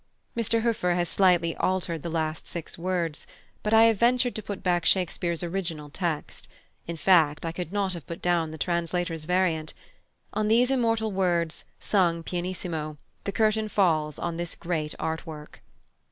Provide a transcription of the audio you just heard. Mr Hueffer has slightly altered the last six words, but I have ventured to put back Shakespeare's original text; in fact, I could not have put down the translator's variant. On these immortal words, sung pianissimo, the curtain falls on this great art work.